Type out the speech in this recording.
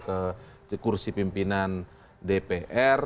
ke kursi pimpinan dpr